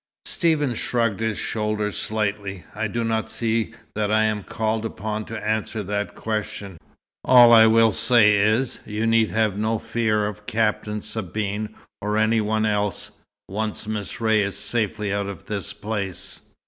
Stephen shrugged his shoulders slightly. "I do not see that I'm called upon to answer that question. All I will say is, you need have no fear of Captain Sabine or of any one else, once Miss Ray is safely out of this place."